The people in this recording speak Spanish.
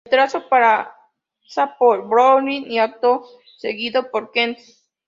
El trazado pasa por Brooklyn y acto seguido por Queens.